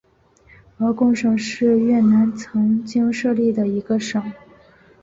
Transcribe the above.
鹅贡省是越南曾经设立的一个省。